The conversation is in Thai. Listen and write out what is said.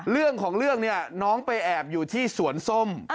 เรื่องของเรื่องเนี่ยน้องไปแอบอยู่ที่สวนส้ม